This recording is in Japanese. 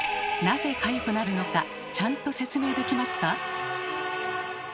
なぜかゆくなるのかちゃんと説明できますか？